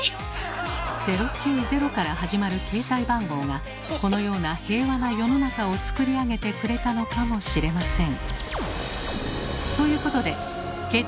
「０９０」から始まる携帯番号がこのような平和な世の中をつくり上げてくれたのかもしれません。